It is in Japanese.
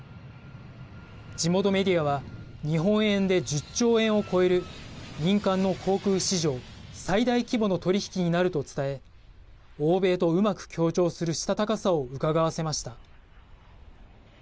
地元メディアは日本円で１０兆円を超える民間の航空史上最大規模の取引になると伝え欧米とうまく協調するしたたかさをうかがわせました。